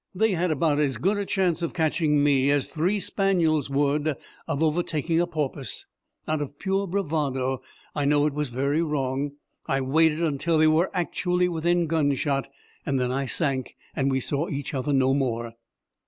They had about as good a chance of catching me as three spaniels would have of overtaking a porpoise. Out of pure bravado I know it was very wrong I waited until they were actually within gunshot. Then I sank and we saw each other no more.